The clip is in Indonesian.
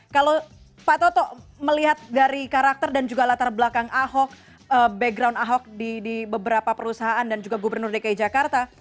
kalau pak toto melihat dari karakter dan juga latar belakang ahok background ahok di beberapa perusahaan dan juga gubernur dki jakarta